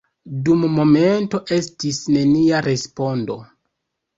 Dum momento estis nenia respondo.